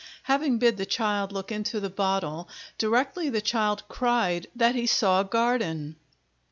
Having bid the child look into the Bottle, directly the child cried that he saw a garden.